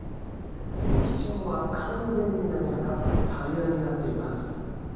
液晶は完全に滑らか平らになっています。